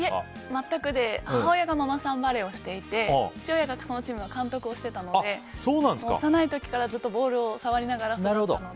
全くで母親がママさんバレーをしていて父親がそのチームの監督をしていたので幼い時からずっとボールを触りながら育ったので。